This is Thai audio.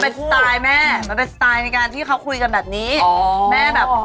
แหละมันเป็นสไตล์ที่การที่เขาคุยจำดับนี้แม่แบบอ๋อ